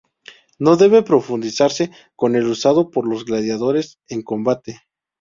No debe confundirse con el usado por los gladiadores en combate.